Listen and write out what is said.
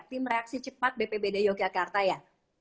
tim reaksi cepat bpbd yogyakarta ya